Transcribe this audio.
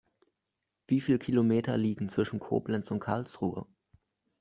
Wie viele Kilometer liegen zwischen Koblenz und Karlsruhe?